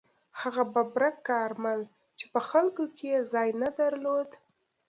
هغه ببرک کارمل چې په خلکو کې ځای نه درلود.